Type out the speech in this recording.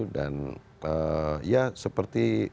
dan ya seperti